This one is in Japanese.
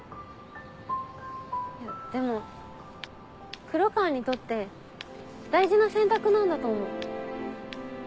いやでも黒川にとって大事な選択なんだと思う。